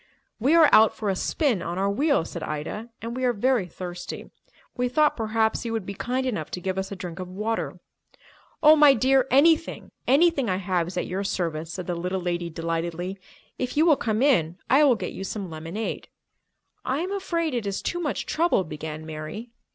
"We are out for a spin on our wheels," said Ida, "and we are very thirsty. We thought perhaps you would be kind enough to give us a drink of water." "Oh, my dear, anything—anything I have is at your service," said the little lady delightedly. "If you will come in, I will get you some lemonade." "I am afraid it is too much trouble," began Mary.